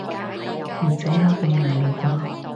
唔使嚇到瀨尿啩